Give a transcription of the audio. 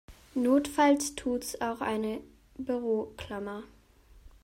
Notfalls tut es auch eine Büroklammer.